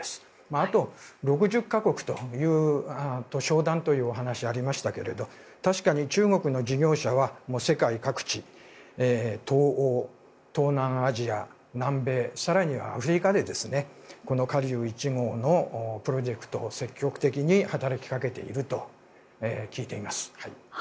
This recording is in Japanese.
あと、６０か国との商談というお話がありましたが確かに中国の事業者は世界各地東欧、東南アジア、南米更にはアフリカで華竜１号のプロジェクトを積極的に働きかけていると聞いています。